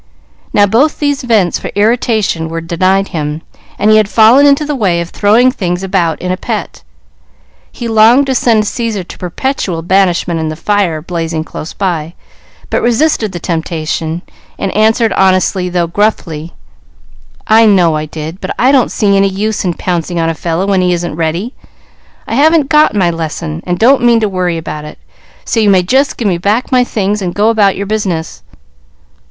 Now both these vents for irritation were denied him, and he had fallen into the way of throwing things about in a pet. He longed to send Caesar to perpetual banishment in the fire blazing close by, but resisted the temptation, and answered honestly, though gruffly: "I know I did, but I don't see any use in pouncing on a fellow when he isn't ready. I haven't got my lesson, and don't mean to worry about it; so you may just give me back my things and go about your business."